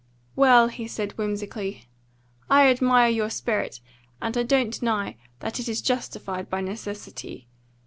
"Well," he said, whimsically, "I admire your spirit, and I don't deny that it is justified by necessity.